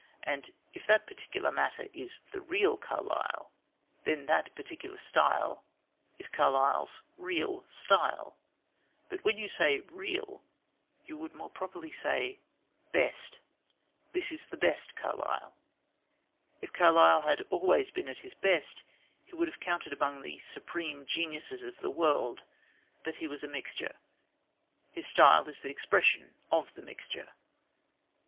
And if that particular matter is the "real" Carlyle, then that particular style is Carlyle's "real" style. But when you say "real" you would more properly say "best." "This is the best Carlyle." If Carlyle had always been at his best he would have counted among the supreme geniuses of the world. But he was a mixture. His style is the expression of the mixture.